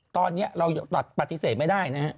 ตอนนี้เราปฏิเสธไม่ได้นะฮะ